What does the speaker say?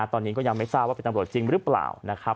ตอนนี้ก็ยังไม่ทราบว่าเป็นตำรวจจริงหรือเปล่านะครับ